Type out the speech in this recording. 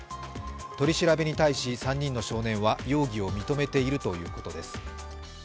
取り調べに対し、３人の少年は容疑を認めているということです。